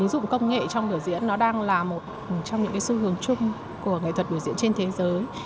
ứng dụng công nghệ trong biểu diễn nó đang là một trong những xu hướng chung của nghệ thuật biểu diễn trên thế giới